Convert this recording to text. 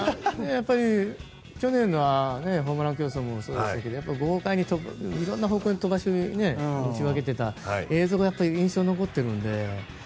やっぱり、去年はホームラン競争もそうでしたが豪快に色んな方向に打ち分けていた映像が印象に残っているので。